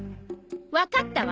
わかったわ。